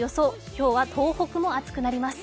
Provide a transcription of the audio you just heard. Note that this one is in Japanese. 今日は東北も暑くなります。